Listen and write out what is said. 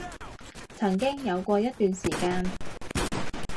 曾經有過一段時間